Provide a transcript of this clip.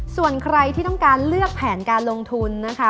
ส่วนใครที่ต้องการเลือกแผนการลงทุนนะคะ